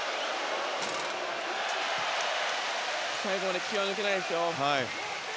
最後まで気が抜けないです。